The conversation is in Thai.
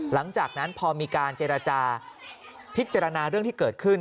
หลังจากนั้นพอมีการเจรจาพิจารณาเรื่องที่เกิดขึ้น